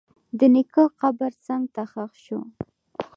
د نیکه قبر څنګ ته ښخ شو.